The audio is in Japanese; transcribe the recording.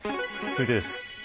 続いてです。